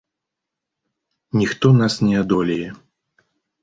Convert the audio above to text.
Ніхто нас не адолее!